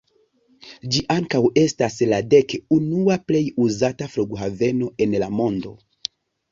Ĝi ankaŭ estas la dek-unua plej uzata flughaveno en la mondo.